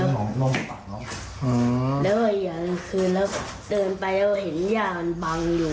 เมื่อก่อนคืนแล้วเดินไปเห็นยามันบังอยู่